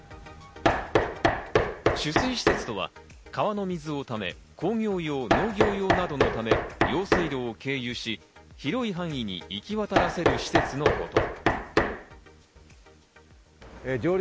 取水施設とは、川の水をため、工業用・農業用などのため、用水路を経由し、広い範囲に行き渡らせる施設のこと。